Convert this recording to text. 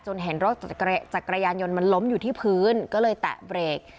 เห็นรถจักรยานยนต์มันล้มอยู่ที่พื้นก็เลยแตะเบรก